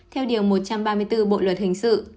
theo điều một trăm ba mươi bốn bộ luật hình sự